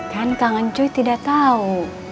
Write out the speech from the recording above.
kan kangen cuy tidak tahu